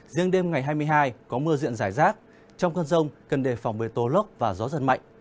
riêng đêm ngày hai mươi hai có mưa diện giải rác trong cơn rông cần đề phòng về tối lốc và gió giật mạnh